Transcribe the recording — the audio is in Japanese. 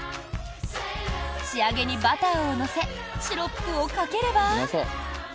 仕上げにバターを乗せシロップをかければ。